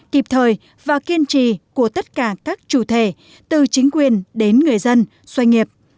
kịp thời và kiên trì của tất cả các chủ thể từ chính quyền đến người dân doanh nghiệp